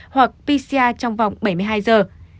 hoặc pcr trong vòng bảy mươi hai giờ